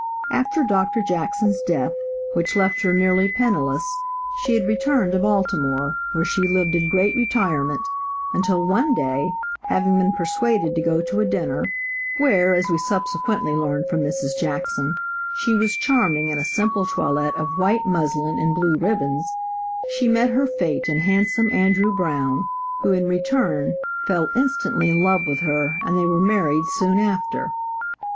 After Dr. Jackson's death, which left her nearly penniless, she had returned to Baltimore, where she lived in great retirement, until one day, having been persuaded to go to a dinner, (where, as we subsequently learned from Mrs. Jackson, she was charming in a simple toilet of white muslin and blue ribbons) she met her fate in handsome Andrew Brown, who in return, fell instantly in love with her and they were married soon after.